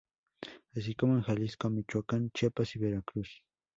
Así como en Jalisco, Michoacán, Chiapas y Veracruz.